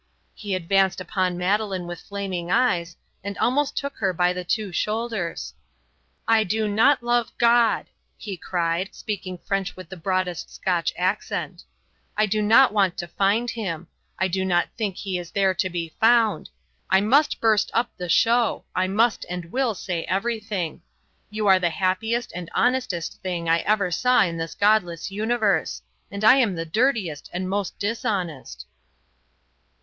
He advanced upon Madeleine with flaming eyes, and almost took her by the two shoulders. "I do not love God," he cried, speaking French with the broadest Scotch accent; "I do not want to find Him; I do not think He is there to be found. I must burst up the show; I must and will say everything. You are the happiest and honestest thing I ever saw in this godless universe. And I am the dirtiest and most dishonest."